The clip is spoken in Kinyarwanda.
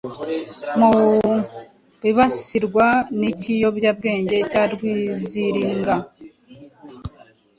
Mu bibasirwa n’ikiyobyabwenge cya Rwiziringa